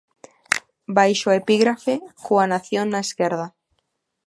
Baixo a epígrafe "Coa nación na esquerda".